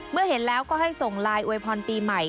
เห็นแล้วก็ให้ส่งไลน์อวยพรปีใหม่